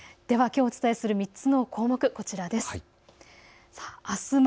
ではきょうお伝えする３つの項目こちらです。